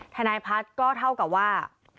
ธนายพัทก็เท่ากับว่า